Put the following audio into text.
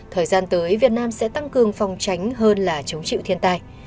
thời gian tới việt nam sẽ tăng cường phòng tránh hơn là chống chịu thiên tai